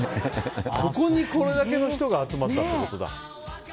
そこにこれだけの人が集まったってことだ。